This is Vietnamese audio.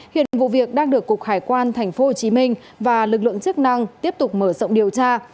hiện vụ việc đang được cục hải quan tp hcm và lực lượng chức năng tiếp tục mở rộng điều tra